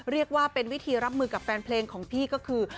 เรียกว่าเป็นวิธีรับมือกับแฟนเพลงของพี่ก็คือ